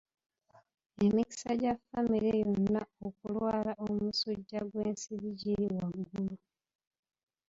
Emikisa gya famire yonna okulwala omusujja gw'ensiri giri waggulu.